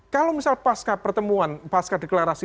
kalau misal pasca pertemuan pasca deklarasi